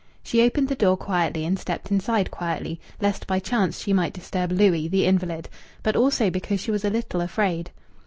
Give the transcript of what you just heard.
She opened the door quietly, and stepped inside quietly, lest by chance she might disturb Louis, the invalid but also because she was a little afraid.